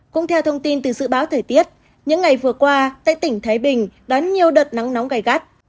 cũng theo thông tin từ dự báo thời tiết những ngày vừa qua tại tỉnh thái bình đón nhiều đợt nắng nóng gai gắt